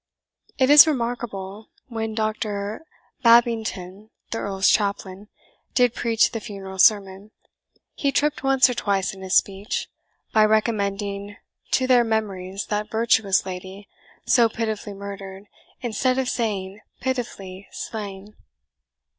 It is remarkable, when Dr. Babington, the Earl's chaplain, did preach the funeral sermon, he tript once or twice in his speech, by recommending to their memories that virtuous lady so pitifully murdered, instead of saying pitifully slain.